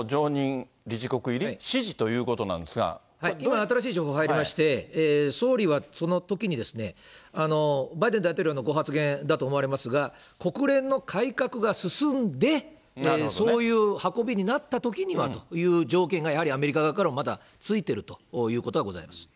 今、新しい情報が入りまして、総理はそのときに、バイデン大統領のご発言だと思われますが、国連の改革が進んで、そういう運びになったときにはという条件がやはりアメリカ側からはまだ付いてるということがございます。